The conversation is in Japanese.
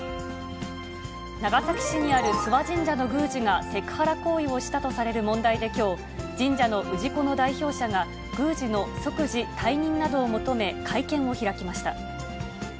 長崎市にある諏訪神社の宮司がセクハラ行為をしたとされる問題できょう、神社の氏子の代表者が、宮司の即時退任などを求め、会見を開きました。